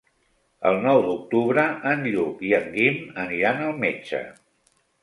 El nou d'octubre en Lluc i en Guim aniran al metge.